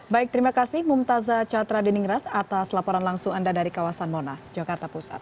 baik terima kasih mumtazah catra diningrat atas laporan langsung anda dari kawasan monas jakarta pusat